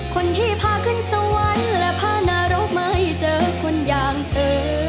คนที่พาขึ้นสวรรค์และพานรกไม่เจอคนอย่างเธอ